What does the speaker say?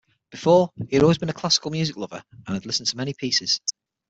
Before, he had always been a classical music lover, and listened to many pieces.